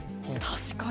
確かに。